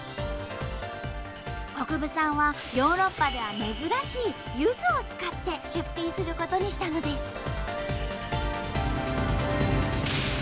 國分さんはヨーロッパでは珍しいゆずを使って出品することにしたのです。